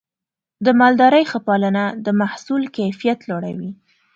د مالدارۍ ښه پالنه د محصول کیفیت لوړوي.